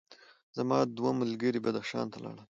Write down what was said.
زما دوه ملګري بدخشان ته لاړل.